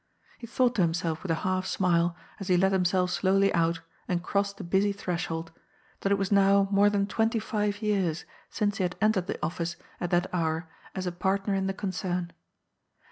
He thought to himself with a half smile, as he let himself slowly out and crossed the busy threshold, that it was now more than twenty five years since he had entered the office at that hour as a partner in the concern.